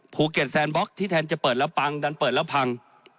ภูเกียร์แซนบ็อกที่แทนเปิดแล้วปังดันเปิดแล้วพัง